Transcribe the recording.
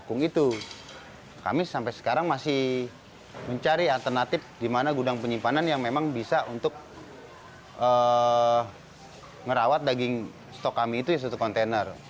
kami sampai sekarang masih mencari alternatif di mana gudang penyimpanan yang memang bisa untuk merawat daging stok kami itu di satu kontainer